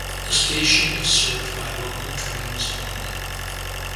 The station is served by local trains only.